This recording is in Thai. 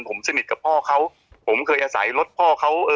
ผมสนิทกับพ่อเขาผมเคยอาศัยรถพ่อเขาเอ่อ